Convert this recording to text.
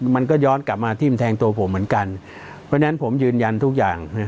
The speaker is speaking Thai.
มันก็ย้อนกลับมาทิ้มแทงตัวผมเหมือนกันเพราะฉะนั้นผมยืนยันทุกอย่าง